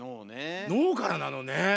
脳からなのね。